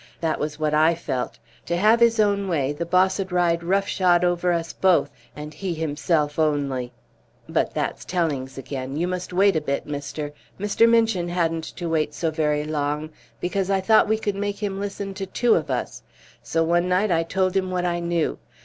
That was what I felt; to have his own way, the boss'd ride roughshod over us both, and he himself only but that's tellings again. You must wait a bit, mister! Mr. Minchin hadn't to wait so very long, because I thought we could make him listen to two of us, so one night I told him what I knew.